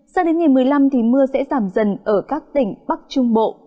sau đến ngày một mươi năm mưa sẽ giảm dần ở các tỉnh bắc trung bộ